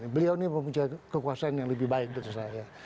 beliau ini mempunyai kekuasaan yang lebih baik menurut saya